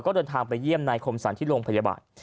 ก็เดินทางไปเยี่ยมนายคมสรรที่โรงพยาบาล